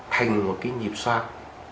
thành một cái nhịp soát